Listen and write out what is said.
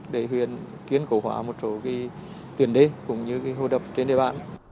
để huyền kiến cố hỏa một số tuyến đê cũng như hồ đập trên đề bản